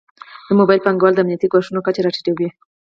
د موبایل بانکوالي د امنیتي ګواښونو کچه راټیټوي.